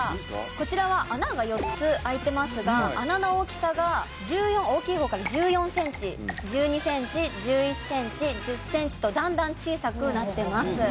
こちらは穴が４つ開いてますが穴の大きさが１４大きい方から１４センチ１２センチ１１センチ１０センチとだんだん小さくなってます。